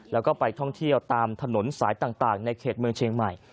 แล้วก็ไปท่องเที่ยวตามถนนสายต่างในเขตเมืองเชียงใหม่